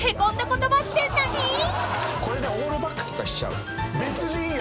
これでオールバックとかにしちゃう。